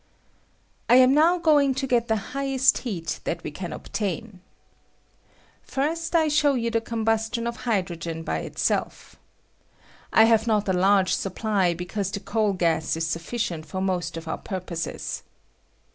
I am now going to get the highest heat that we can obtiun. First, I show you the 206 THE LIUE LIGBT. ^^M combustion of hydrogen by itself. I have not a large supply, because the coal gaa is sufficient for most of our purposes.